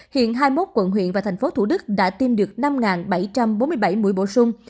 hiện hai mươi một quận huyện và thành phố thủ đức đã tiêm được năm bảy trăm bốn mươi bảy mũi bổ sung